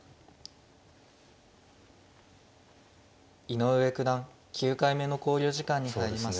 井上九段９回目の考慮時間に入りました。